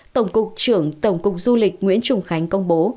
tổng cục trưởng tổng cục du lịch nguyễn trùng khánh công bố